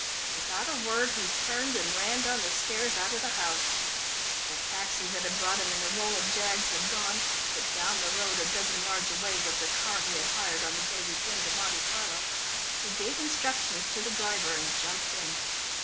Without a word he turned and ran down the stairs out of the house. The taxi that had brought him in the role of Jaggs had gone, but down the road, a dozen yards away, was the car he had hired on the day he came to Monte Carlo. He gave instructions to the driver and jumped in.